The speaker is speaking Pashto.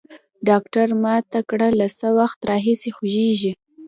ډاکتر ما ته کړه له څه وخت راهيسي خوږېږي.